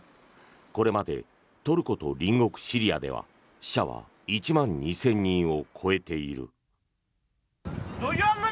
これまでトルコと隣国シリアでは死者は１万２０００人を超えている。